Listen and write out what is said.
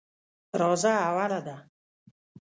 راځه اوله ده.